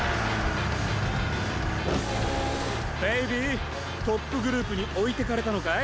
ベイビートップグループにおいてかれたのかい？